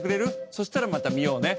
そしたらまた見ようね。